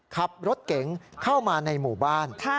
ขับรถเก๋งเข้ามาในหมู่บ้าน